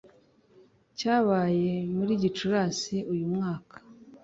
cyabaye muri Gicurasi uyu mwaka